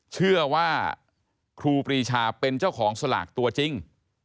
เชื่อว่าครูปรีชาเป็นเจ้าของสลากตัวจริง